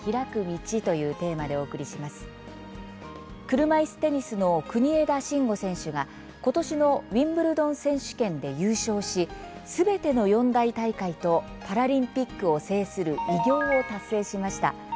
車いすテニスの国枝慎吾選手がことしのウィンブルドン選手権で優勝しすべての四大大会とパラリンピックを制する偉業を達成しました。